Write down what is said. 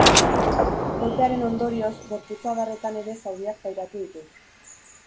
Kolpearen ondorioz, gorputz-adarretan ere zauriak pairatu ditu.